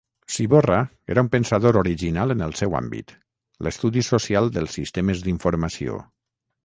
Ciborra era un pensador original en el seu àmbit: l'Estudi Social dels Sistemes d'Informació.